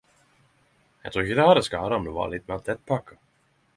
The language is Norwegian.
Eg trur ikkje det hadde skada om det vart litt meir tettpakka.